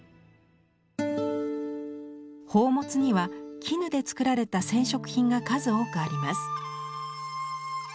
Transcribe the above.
宝物には絹で作られた染織品が数多くあります。